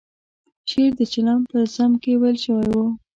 شعر د چلم په ذم کې ویل شوی و.